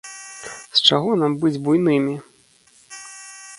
З чаго нам быць буйнымі?